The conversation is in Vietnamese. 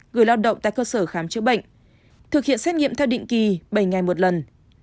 gửi lao động tại cơ sở khám chữa bệnh thực hiện xét nghiệm theo định kỳ bảy ngày một lần